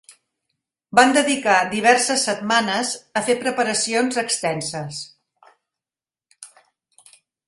Van dedicar diverses setmanes a fer preparacions extenses.